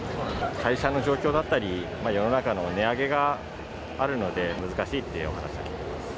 会社の状況だったり、世の中の値上げがあるので、難しいっていうお話は聞いてます。